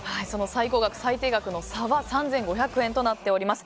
最高額、最低額の差は３５００円となっています。